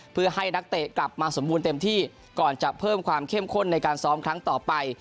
เพื่อให้นักเตะกลับมาสมบูรณ์เต็มที่ก่อนจะเพิ่มความเข้มข้นในการซ้อมครั้งต่อไป